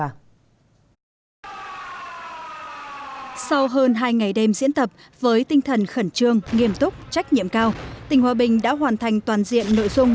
sau hơn hai ngày đêm diễn tập với tinh thần khẩn trương nghiêm túc trách nhiệm cao tỉnh hòa bình đã hoàn thành toàn diện nội dung